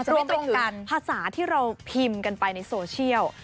รวมไปถึงภาษาที่เราพิมพ์กันไปในโซเชียล